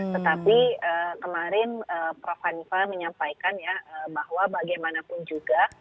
tetapi kemarin prof hanifah menyampaikan ya bahwa bagaimanapun juga